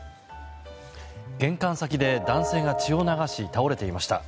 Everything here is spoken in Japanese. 玄関先で男性が血を流し倒れていました。